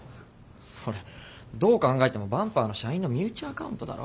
それどう考えてもバンパーの社員の身内アカウントだろ。